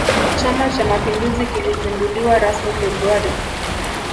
chama cha mapinduzi kilizinduliwa rasmi februari